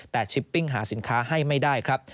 แต่ชิปปิ้งหาสินค้าให้ไม่ได้ครับ